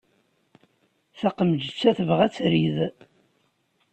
Taqemǧet-a tebɣa ad trid.